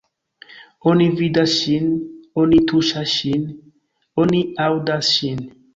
Oni vidas ŝin, oni tuŝas ŝin, oni aŭdas ŝin.